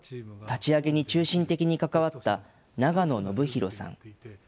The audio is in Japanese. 立ち上げに中心的に関わった永野信広さん。